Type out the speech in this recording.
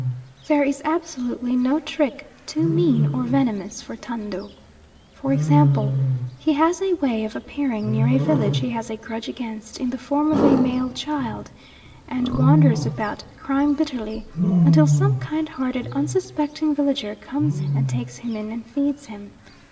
There is absolutely no trick too mean or venomous for Tando. For example, he has a way of appearing near a village he has a grudge against in the form of a male child, and wanders about crying bitterly, until some kind hearted, unsuspecting villager comes and takes him in and feeds him.